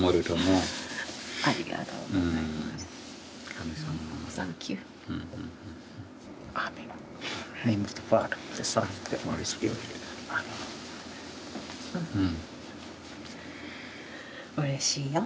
うれしいよ。